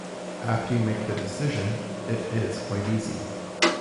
After you make the decision, it is quite easy.